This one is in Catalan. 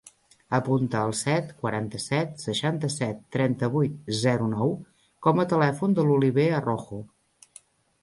Apunta el set, quaranta-set, seixanta-set, trenta-vuit, zero, nou com a telèfon de l'Oliver Arrojo.